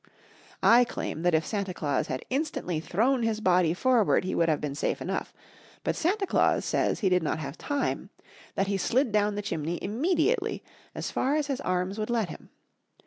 I claim that if Santa Claus had instantly thrown his body forward he would have been safe enough, but Santa Claus says he did not have time that he slid down the chimney immediately, as far as his arms would let him.